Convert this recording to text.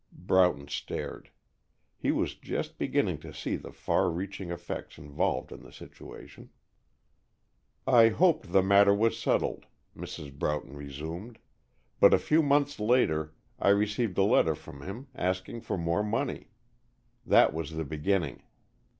Broughton stared. He was just beginning to see the far reaching effects involved in the situation. "I hoped the matter was settled," Mrs. Broughton resumed, "but a few months later I received a letter from him, asking for more money. That was the beginning.